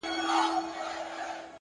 هره ناکامي پټ درس لري!.